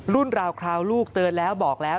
ราวคราวลูกเตือนแล้วบอกแล้ว